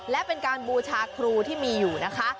และเป็นการบูชาครูที่มีอยู่นะคะ